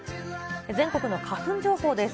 全国の花粉情報です。